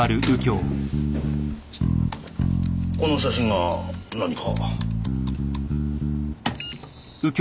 この写真が何か？